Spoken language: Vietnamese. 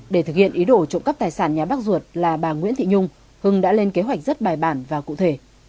để thực hiện ý đồ trộm cắp tài sản nhà bác ruột là bà nguyễn thị nhung hưng đã lên kế hoạch rất bài bản và cụ thể